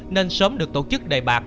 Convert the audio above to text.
nên sớm được tổ chức đầy bạc